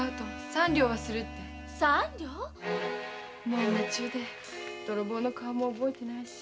もう夢中で泥棒の顔も覚えていないし。